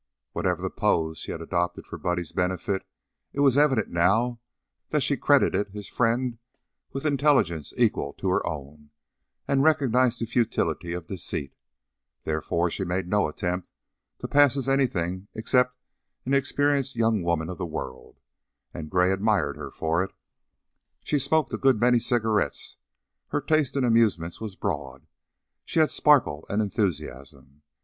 Whatever the pose she had adopted for Buddy's benefit, it was evident now that she credited his friend with intelligence equal to her own, and recognized the futility of deceit, therefore she made no attempt to pass as anything except an experienced young woman of the world, and Gray admired her for it. She smoked a good many cigarettes; her taste in amusements was broad; she had sparkle and enthusiasm.